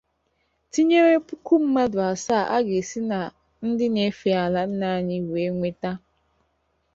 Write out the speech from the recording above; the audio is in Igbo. tinyere puku mmadụ asaa a ga-esi na ndị na-efe ala nna anyị wee nweta